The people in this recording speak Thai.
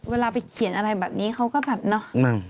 เวลาไปเขียนอะไรแบบนี้เขาก็แบบเนาะ